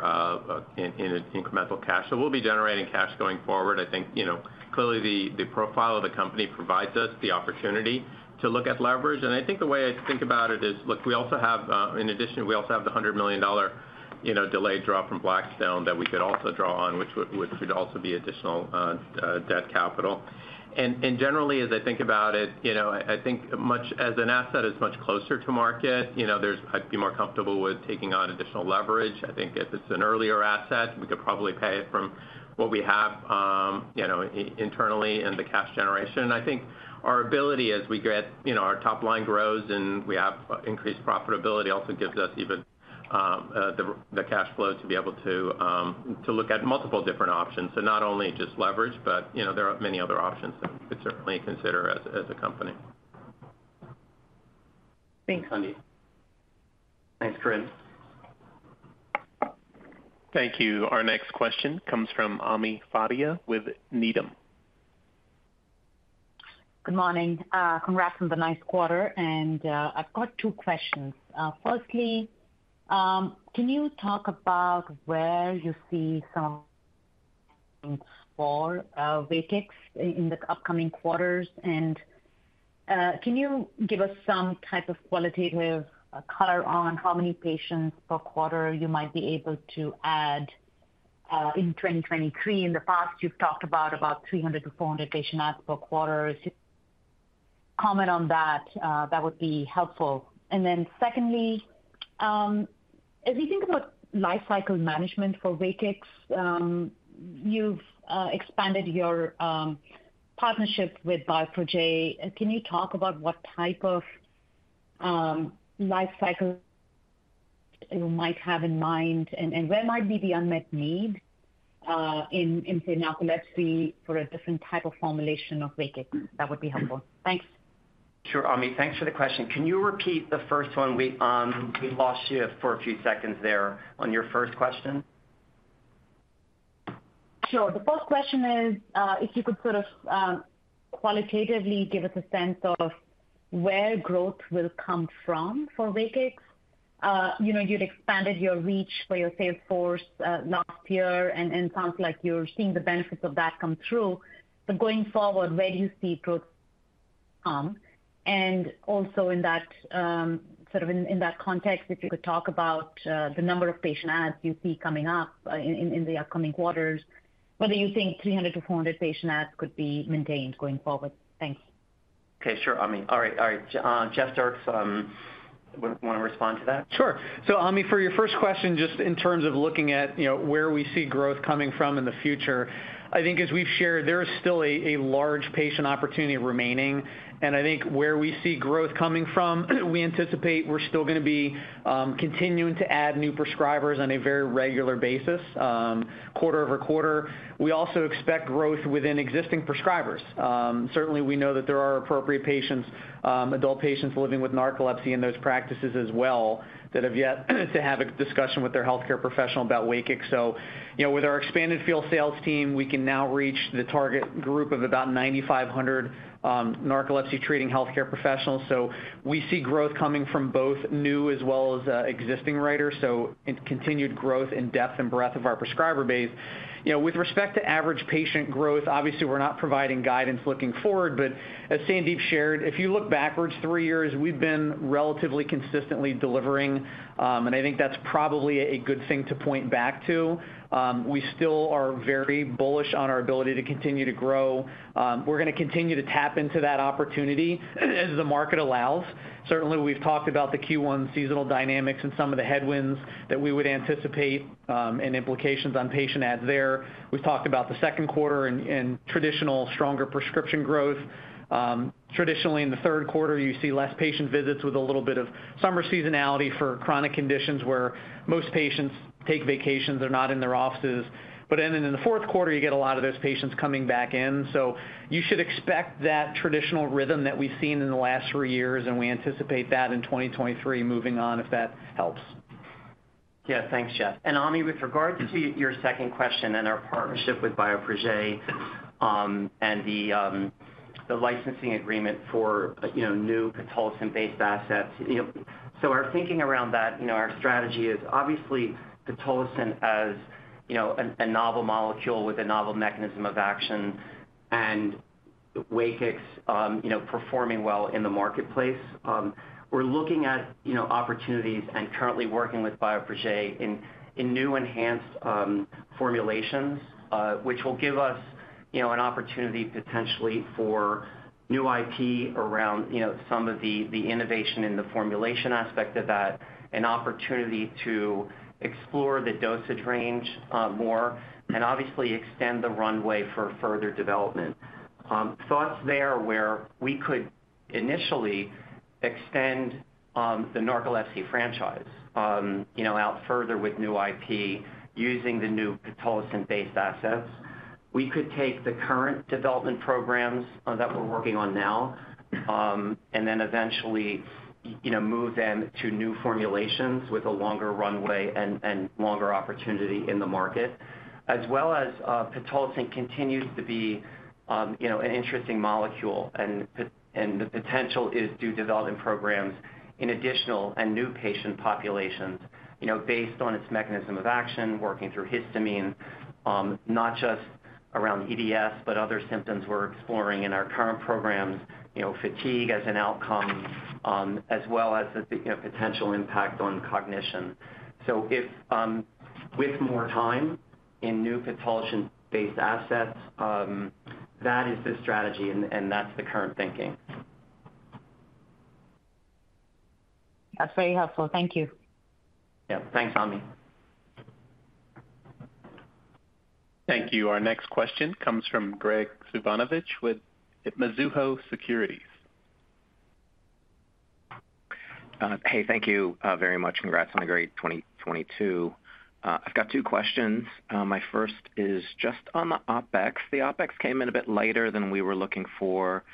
in incremental cash. We'll be generating cash going forward. I think, you know, clearly the profile of the company provides us the opportunity to look at leverage. I think the way I think about it is, look, we also have, in addition, we also have the $100 million, you know, delayed draw from Blackstone that we could also draw on, which would also be additional debt capital. Generally, as I think about it, you know, I think much as an asset is much closer to market, you know, I'd be more comfortable with taking on additional leverage. I think if it's an earlier asset, we could probably pay it from what we have, you know, internally in the cash generation. I think our ability as we get, you know, our top line grows and we have increased profitability also gives us even the cash flow to be able to look at multiple different options. Not only just leverage, but, you know, there are many other options that we could certainly consider as a company. Thanks, Sandip. Thanks, Corinne. Thank you. Our next question comes from Ami Fadia with Needham. Good morning. Congrats on the nice quarter. I've got two questions. Firstly, can you talk about where you see some Thanks. Sure. Ami, thanks for the question. Can you repeat the first one? We lost you for a few seconds there on your first question. Sure. The first question is, if you could sort of qualitatively give us a sense of where growth will come from for WAKIX. You know, you'd expanded your reach for your sales force last year, and sounds like you're seeing the benefits of that come through. Going forward, where do you see growth come? Also in that, sort of in that context, if you could talk about the number of patient adds you see coming up in the upcoming quarters, whether you think 300-400 patient adds could be maintained going forward. Thanks. Okay. Sure, Ami. All right. All right. Jeff Dierks, wanna respond to that? Sure. Ami, for your first question, just in terms of looking at, you know, where we see growth coming from in the future, I think as we've shared, there is still a large patient opportunity remaining. I think where we see growth coming from, we anticipate we're still gonna be continuing to add new prescribers on a very regular basis, quarter-over-quarter. We also expect growth within existing prescribers. Certainly, we know that there are appropriate patients, adult patients living with narcolepsy in those practices as well that have yet to have a discussion with their healthcare professional about WAKIX. You know, with our expanded field sales team, we can now reach the target group of about 9,500 narcolepsy treating healthcare professionals. We see growth coming from both new as well as existing writers, so in continued growth in depth and breadth of our prescriber base. You know, with respect to average patient growth, obviously, we're not providing guidance looking forward. As Sandip shared, if you look backwards three years, we've been relatively consistently delivering, and I think that's probably a good thing to point back to. We still are very bullish on our ability to continue to grow. We're gonna continue to tap into that opportunity as the market allows. Certainly, we've talked about the Q1 seasonal dynamics and some of the headwinds that we would anticipate, and implications on patient adds there. We've talked about the second quarter and traditional stronger prescription growth. Traditionally in the third quarter, you see less patient visits with a little bit of summer seasonality for chronic conditions where most patients take vacations. They're not in their offices. In the fourth quarter, you get a lot of those patients coming back in. You should expect that traditional rhythm that we've seen in the last three years, and we anticipate that in 2023 moving on, if that helps. Thanks, Jeff. Ami, with regard to your second question and our partnership with Bioprojet, and the licensing agreement for, you know, new pitolisant-based assets. You know, our thinking around that, you know, our strategy is obviously pitolisant as, you know, a novel molecule with a novel mechanism of action and WAKIX, you know, performing well in the marketplace. We're looking at, you know, opportunities and currently working with Bioprojet in new enhanced formulations, which will give us, you know, an opportunity potentially for new IP around, you know, some of the innovation in the formulation aspect of that, an opportunity to explore the dosage range more and obviously extend the runway for further development. Thoughts there where we could initially extend the narcolepsy franchise out further with new IP using the new pitolisant-based assets. We could take the current development programs that we're working on now and then eventually move them to new formulations with a longer runway and longer opportunity in the market. Pitolisant continues to be an interesting molecule and the potential is to develop programs in additional and new patient populations based on its mechanism of action working through histamine, not just around EDS, but other symptoms we're exploring in our current programs, fatigue as an outcome, as well as the potential impact on cognition. If, with more time in new pitolisant-based assets, that is the strategy and that's the current thinking. That's very helpful. Thank you. Yeah. Thanks, Ami. Thank you. Our next question comes from Graig Suvannavejh with Mizuho Securities. Hey, thank you very much. Congrats on a great 2022. I've got two questions. My first is just on the OpEx. The OpEx came in a bit lighter than we were looking for.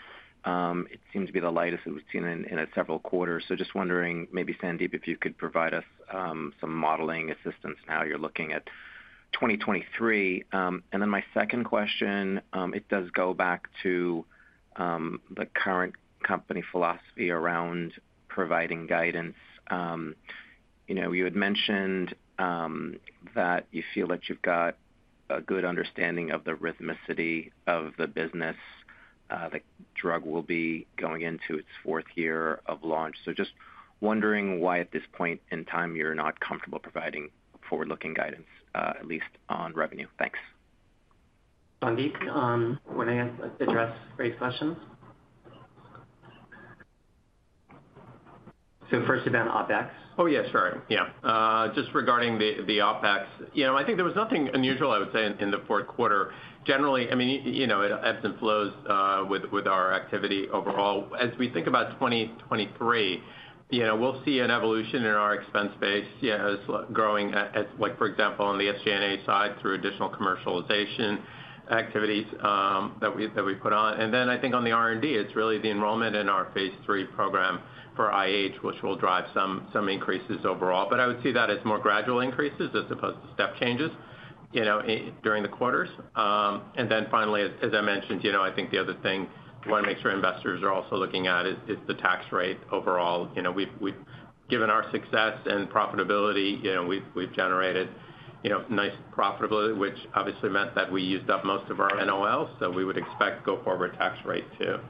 It seemed to be the lightest it was seen in a several quarters. Just wondering, maybe Sandip, if you could provide us some modeling assistance, how you're looking at 2023. My second question, it does go back to the current company philosophy around providing guidance. You know, you had mentioned that you feel that you've got a good understanding of the rhythmicity of the business. The drug will be going into its fourth year of launch. Just wondering why at this point in time, you're not comfortable providing forward-looking guidance, at least on revenue. Thanks. Sandip, wanna address Graig's questions? First then OpEx. Yes. Sorry. Yeah. Just regarding the OpEx. You know, I think there was nothing unusual, I would say, in the fourth quarter. Generally, I mean, you know, it ebbs and flows with our activity overall. As we think about 2023, you know, we'll see an evolution in our expense base, yes, growing at, like, for example, on the SG&A side through additional commercialization activities that we put on. Then I think on the R&D, it's really the enrollment in our phase III program for IH, which will drive some increases overall. I would see that as more gradual increases as opposed to step changes, you know, during the quarters. Then finally, as I mentioned, you know, I think the other thing we wanna make sure investors are also looking at is the tax rate overall. You know, we've given our success and profitability, you know, we've generated, you know, nice profitability, which obviously meant that we used up most of our NOLs. We would expect go forward tax rate to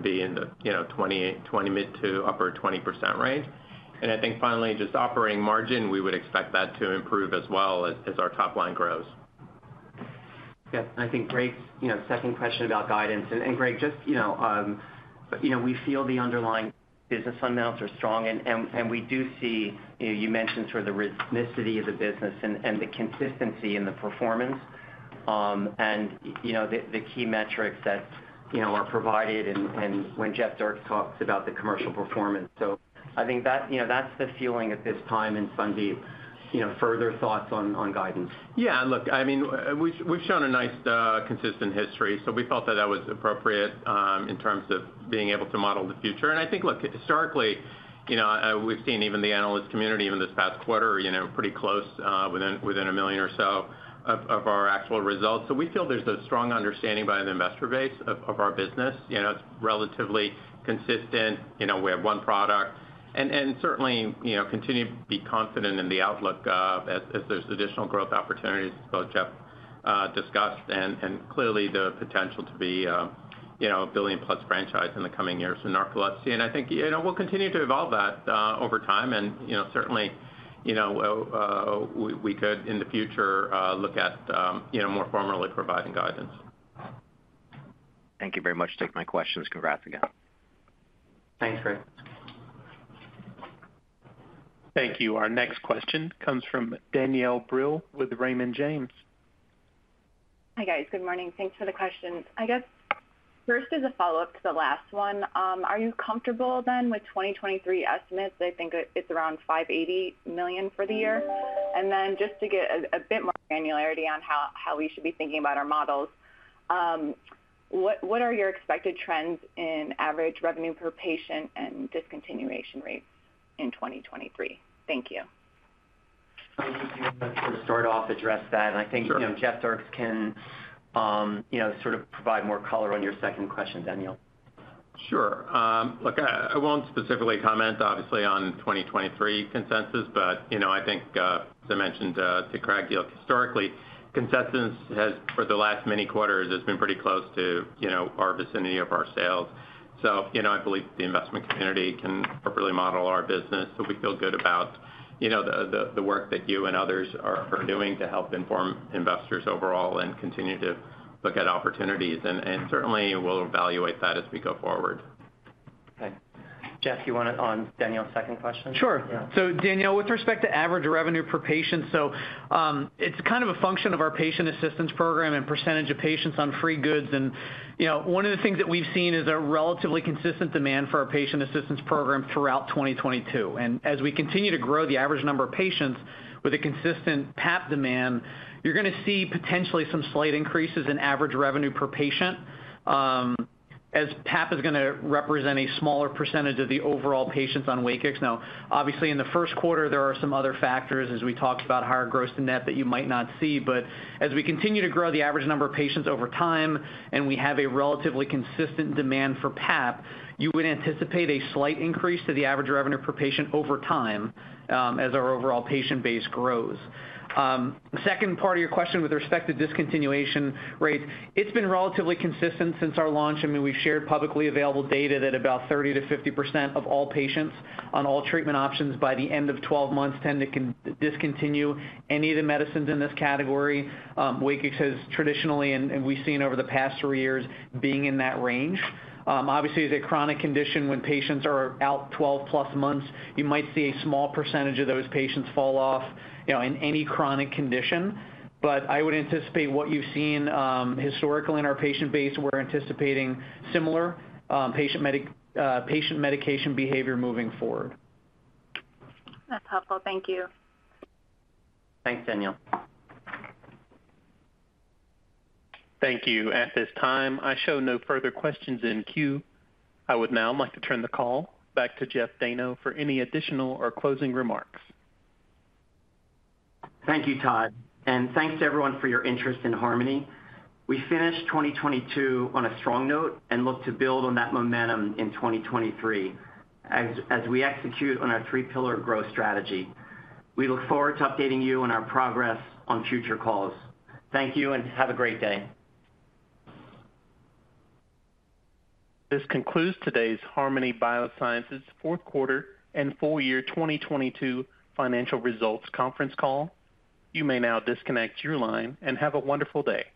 be in the 20 mid to upper 20% range. I think finally, just operating margin, we would expect that to improve as well as our top line grows. Yeah. I think Graig's, you know, second question about guidance. Graig, just, you know, you know, we feel the underlying business fundamentals are strong, and we do see... You know, you mentioned sort of the rhythmicity of the business and the consistency in the performance, and, you know, the key metrics that, you know, are provided and when Jeff Dayno talks about the commercial performance. I think that, you know, that's the feeling at this time. Sandip, you know, further thoughts on guidance. Yeah, look, I mean, we've shown a nice, consistent history, so we felt that that was appropriate in terms of being able to model the future. I think, look, historically, you know, we've seen even the analyst community, even this past quarter, you know, pretty close within $1 million or so of our actual results. We feel there's a strong understanding by the investor base of our business. You know, it's relatively consistent. You know, we have one product. Certainly, you know, continue to be confident in the outlook as there's additional growth opportunities, as both Jeff discussed and clearly the potential to be, you know, a $1 billion+ franchise in the coming years for narcolepsy. I think, you know, we'll continue to evolve that over time. You know, certainly, you know, we could in the future, look at, you know, more formally providing guidance. Thank you very much for taking my questions. Congrats again. Thanks, Graig. Thank you. Our next question comes from Danielle Brill with Raymond James. Hi, guys. Good morning. Thanks for the questions. I guess first as a follow-up to the last one, are you comfortable then with 2023 estimates? I think it's around $580 million for the year. Just to get a bit more granularity on how we should be thinking about our models, what are your expected trends in average revenue per patient and discontinuation rates in 2023? Thank you. Let's sort of start off, address that. Sure. I think, you know, Jeff Dierks can, you know, sort of provide more color on your second question, Danielle. Sure. Look, I won't specifically comment obviously on 2023 consensus but, you know, I think, as I mentioned to Craig, you know, historically, consensus has, for the last many quarters, has been pretty close to, you know, our vicinity of our sales. You know, I believe the investment community can appropriately model our business, so we feel good about, you know, the work that you and others are doing to help inform investors overall and continue to look at opportunities. Certainly we'll evaluate that as we go forward. Okay. Jeff, you want it on Danielle's second question? Sure. Yeah. Danielle, with respect to average revenue per patient, it's kind of a function of our patient assistance program and percentage of patients on free goods. You know, one of the things that we've seen is a relatively consistent demand for our patient assistance program throughout 2022. As we continue to grow the average number of patients with a consistent PAP demand, you're gonna see potentially some slight increases in average revenue per patient, as PAP is gonna represent a smaller percentage of the overall patients on WAKIX. Obviously, in the first quarter there are some other factors as we talked about higher gross than net that you might not see. But as we continue to grow the average number of patients over time, and we have a relatively consistent demand for PAP, you would anticipate a slight increase to the average revenue per patient over time, as our overall patient base grows. The second part of your question with respect to discontinuation rates, it's been relatively consistent since our launch. I mean, we've shared publicly available data that about 30%-50% of all patients on all treatment options by the end of 12 months tend to discontinue any of the medicines in this category. WAKIX has traditionally, and we've seen over the past three years being in that range. Obviously as a chronic condition, when patients are out 12+ months, you might see a small percentage of those patients fall off, you know, in any chronic condition. I would anticipate what you've seen, historically in our patient base, we're anticipating similar patient medication behavior moving forward. That's helpful. Thank you. Thanks, Danielle. Thank you. At this time, I show no further questions in queue. I would now like to turn the call back to Jeff Dayno for any additional or closing remarks. Thank you, Todd, and thanks to everyone for your interest in Harmony. We finished 2022 on a strong note and look to build on that momentum in 2023 as we execute on our three-pillar growth strategy. We look forward to updating you on our progress on future calls. Thank you and have a great day. This concludes today's Harmony Biosciences fourth quarter and full year 2022 financial results conference call. You may now disconnect your line and have a wonderful day.